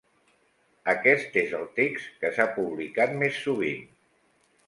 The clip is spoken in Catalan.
Aquest és el text que s'ha publicat més sovint.